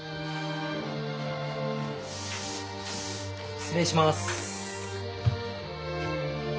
失礼します。